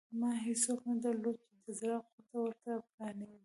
ما هېڅوک نه درلودل چې د زړه غوټه ورته پرانېزم.